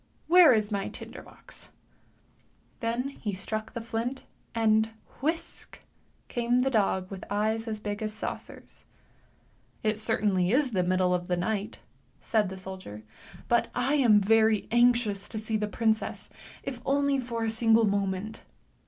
Where is my tinder box ? Then he struck the flint, and, whisk, came the dog with eyes as big as saucers. " It certainly is the middle of the night," said the soldier, " but I am very anxious to see the princess, if only for a single moment."